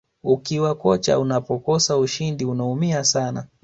ukiwa kocha unapokosa ushindi unaumia sana